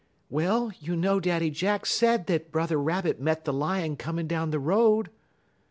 "Well, you know Daddy Jack said that Brother Rabbit met the Lion coming down the road."